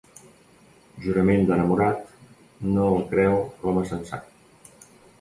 Jurament d'enamorat, no el creu l'home sensat.